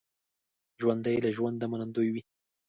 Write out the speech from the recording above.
ژوندي له ژونده منندوی وي